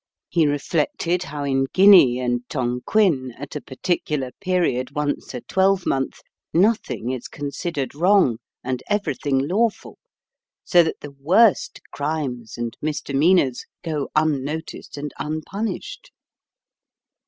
He reflected how in Guinea and Tonquin, at a particular period once a twelvemonth, nothing is considered wrong, and everything lawful, so that the worst crimes and misdemeanours go unnoticed and unpunished.